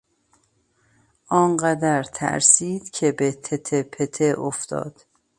آنقدر ترسید که به تته پته افتاد.